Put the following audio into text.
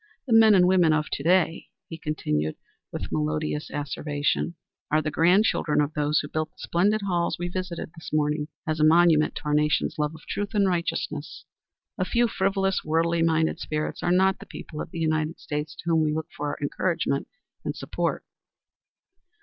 The men and women of to day," he continued, with melodious asseveration, "are the grand children of those who built the splendid halls we visited this morning as a monument to our nation's love of truth and righteousness. A few frivolous, worldly minded spirits are not the people of the United States to whom we look for our encouragement and support."